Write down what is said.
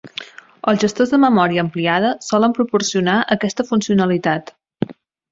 Els gestors de memòria ampliada solen proporcionar aquesta funcionalitat.